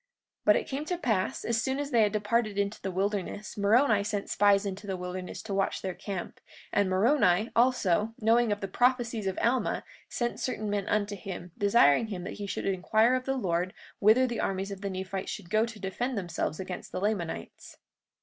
43:23 But it came to pass, as soon as they had departed into the wilderness Moroni sent spies into the wilderness to watch their camp; and Moroni, also, knowing of the prophecies of Alma, sent certain men unto him, desiring him that he should inquire of the Lord whither the armies of the Nephites should go to defend themselves against the Lamanites.